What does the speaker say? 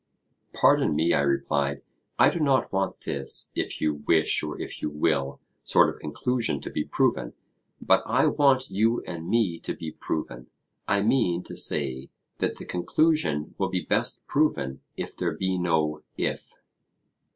Pardon me, I replied; I do not want this 'if you wish' or 'if you will' sort of conclusion to be proven, but I want you and me to be proven: I mean to say that the conclusion will be best proven if there be no 'if.'